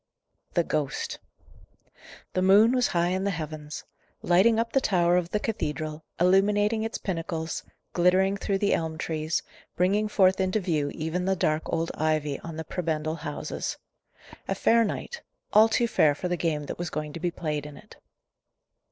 THE GHOST. The moon was high in the heavens. Lighting up the tower of the cathedral, illuminating its pinnacles, glittering through the elm trees, bringing forth into view even the dark old ivy on the prebendal houses. A fair night all too fair for the game that was going to be played in it.